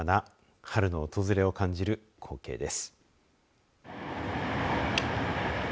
春の訪れを感じる光景です。